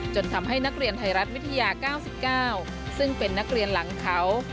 จนทำให้นักเรียนไทยรัฐวิทยา๙๙ซึ่งเป็นนักเรียนหลังเขา